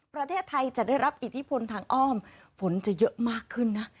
ประเทศไทยจะได้รับอิทธิพลทางอ้อมฝนจะเยอะมากขึ้นนะ